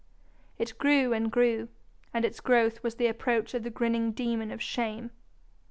It grew and grew, and its growth was the approach of the grinning demon of shame.